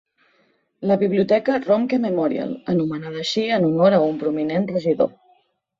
La Biblioteca Romke Memorial, anomenada així en honor a un prominent regidor.